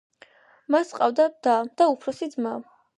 მას ჰყავდა და და უფროსი ძმა.